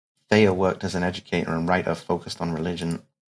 Thayer worked as an educator and writer focused on religion.